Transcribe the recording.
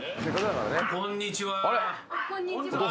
あこんにちは。